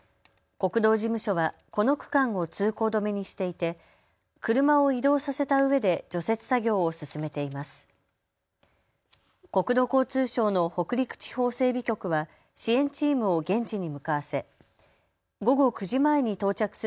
国道事務所はこの区間を通行止めにしていて車を移動させたうえで除雪作業を進めています。